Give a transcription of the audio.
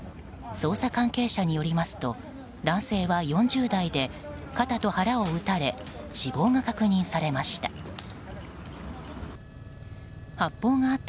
捜査関係者によりますと男性は４０代で、肩と腹を撃たれ死亡が確認されました。